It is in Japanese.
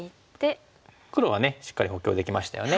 黒はしっかり補強できましたよね。